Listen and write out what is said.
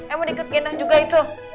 eh mau ikut gendong juga itu